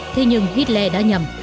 thế nhưng hitler đã nhầm